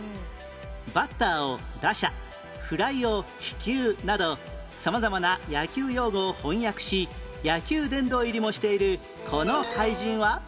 バッターを打者フライを飛球など様々な野球用語を翻訳し野球殿堂入りもしているこの俳人は？